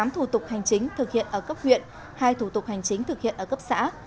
một mươi thủ tục hành chính thực hiện ở cấp huyện hai thủ tục hành chính thực hiện ở cấp xã